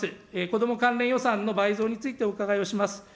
子ども関連予算の倍増についてお伺いをします。